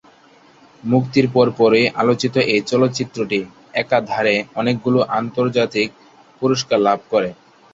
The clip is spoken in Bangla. মুক্তির পরপরই আলোচিত এই চলচ্চিত্রটি একাধারে অনেকগুলো আন্তর্জাতিক পুরস্কার লাভ করে।